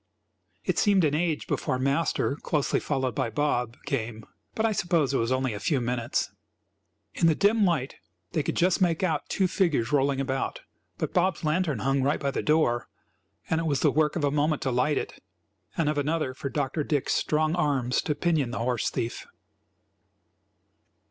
It seemed an age before Master, closely followed by Bob, came; but I suppose it was only a few minutes. In the dim light they could just make out two figures rolling about, but Bob's lantern hung right by the door and it was the work of a moment to light it, and of another for Dr. Dick's strong arms to pinion the horse thief.